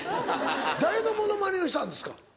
誰のモノマネをしたんですか？